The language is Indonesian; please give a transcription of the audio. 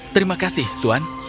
terima kasih tuan